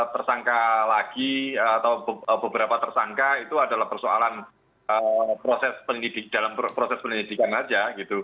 tersangka lagi atau beberapa tersangka itu adalah persoalan dalam proses penyelidikan saja gitu